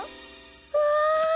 うわ！